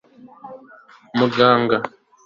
muganga